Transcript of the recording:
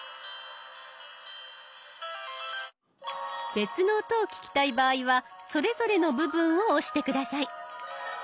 別の音を聞きたい場合はそれぞれの部分を押して下さい。